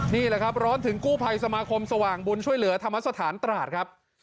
นี่แหละครับร้อนถึงกู้ภัยสมาคมสว่างบุญช่วยเหลือธรรมสถานตราดครับ